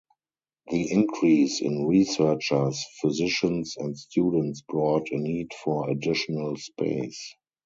The increase in researchers, physicians and students brought a need for additional space.